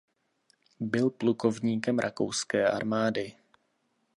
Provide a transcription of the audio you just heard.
Byl plukovníkem rakouské armády.